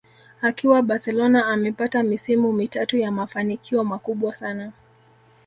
Akiwa Barcelona amepata misimu mitatu ya mafanikio makubwa sana